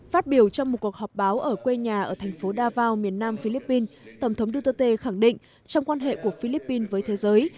phát biểu trong một cuộc họp báo ở quê nhà ở thành phố davao miền nam philippines tổng thống duterte khẳng định trong quan hệ của philippines với thế giới